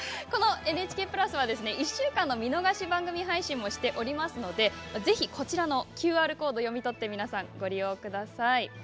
このＮＨＫプラスは１週間の見逃し番組配信もしておりますのでぜひＱＲコードを読み取って皆さん、ご利用ください。